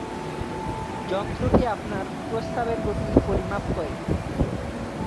যন্ত্রটি আপনার প্রস্রাবের গতি পরিমাপ করে।